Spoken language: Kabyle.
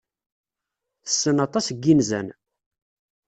Tessen aṭas n yinzan.